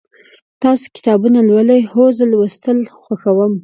تاسو کتابونه لولئ؟ هو، زه لوستل خوښوم